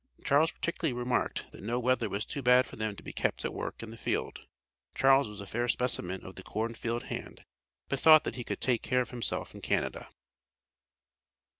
Charles particularly remarked, that no weather was too bad for them to be kept at work in the field. Charles was a fair specimen of the "corn field hand," but thought that he could take care of himself in Canada.